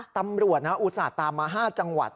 ตำรวจอุตส่าห์ตามมา๕จังหวัด